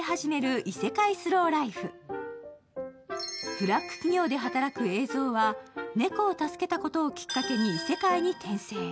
ブラック企業で働くエイゾウは猫を助けたことをきっかけに異世界に転生。